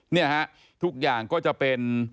เนี่ยฮะทุกอย่างก็จะเป็น